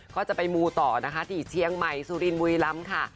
ก็จะไปมูต่อนะคะที่เชียงใหม่สุรินบุรีรำค่ะ